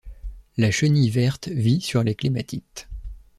La chenille verte vit sur les clématites.